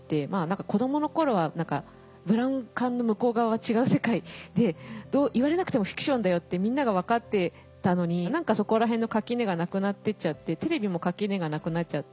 子供の頃はブラウン管の向こう側は違う世界って言われなくてもフィクションだよってみんなが分かってたのに何かそこらへんの垣根がなくなってっちゃってテレビも垣根がなくなっちゃって。